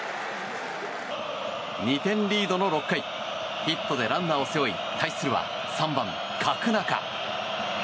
２点リードの６回ヒットでランナーを背負い対するは３番、角中。